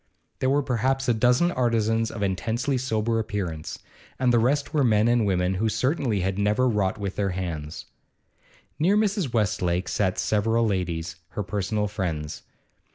There were perhaps a dozen artisans of intensely sober appearance, and the rest were men and women who certainly had never wrought with their hands. Near Mrs. Westlake sat several ladies, her personal friends.